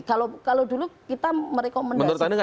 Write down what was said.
kalau dulu kita merekomendasikan